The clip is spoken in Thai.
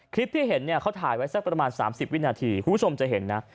คลิปที่เห็นเนี่ยเขาถ่ายไว้สักประมาณ๓๐วินาทีคุณผู้ชมจะเห็นนะ